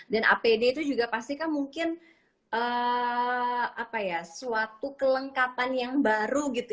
dan apd itu juga pasti kan mungkin suatu kelengkapan yang baru gitu